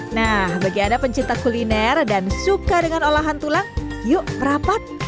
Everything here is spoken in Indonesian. nah bagi anda pencinta kuliner dan suka dengan olahan tulang yuk rapat